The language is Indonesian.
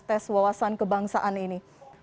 tes wawasan kebangsaan ini